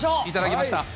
いただきました。